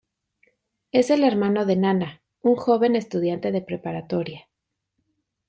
Es el hermano de Nana, un joven estudiante de preparatoria.